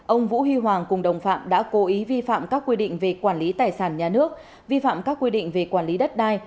ông vũ huy hoàng cùng đồng phạm đã cố ý vi phạm các quy định về quản lý tài sản nhà nước vi phạm các quy định về quản lý đất đai